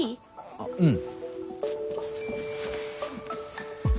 ああうん。